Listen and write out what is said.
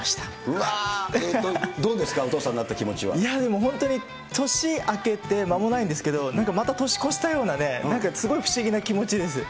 わー、えーと、どうですか、いやでも、本当に年明けて間もないんですけど、また年越したようなね、なんかすごい不思議な気持ちです。